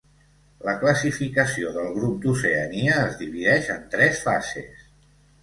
La classificació del grup d'Oceania es divideix en tres fases.